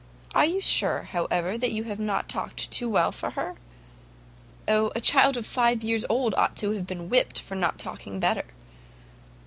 "Are you sure, however, you have not talked too well for her?" "O, a child of five years old ought to have been whipt for not talking better!"